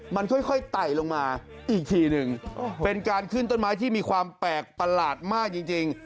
มันค่อยไต่ลงมาอีกทีหนึ่งเป็นการขึ้นต้นไม้ที่มีความแปลกประหลาดมากจริง